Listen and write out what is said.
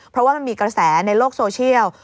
เพราะว่ามันมีกระแสในโลกโซเชียล